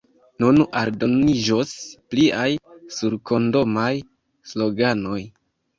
Nun aldoniĝos pliaj surkondomaj sloganoj.